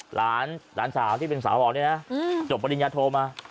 หลานสาวที่เป็นสาวบอกเนี่ยนะจบปริญญาโทมา